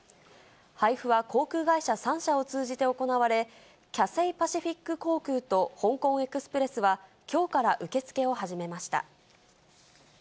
配布は航空会社３社を通じて行われ、キャセイパシフィック航空と香港エクスプレスは、きょうから受け付けを始めました。